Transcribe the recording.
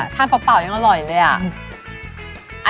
เปล่ายังอร่อยเลยอ่ะ